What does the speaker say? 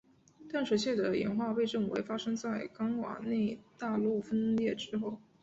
淡水蟹的演化被认为发生在冈瓦纳大陆分裂之后。